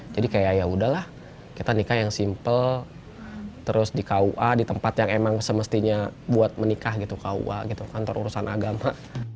jadi kayak yaudah lah kita nikah yang simple terus di kua di tempat yang emang semestinya buat menikah gitu kua kantor urusan agama